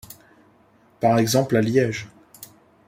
Par exemple à Liège.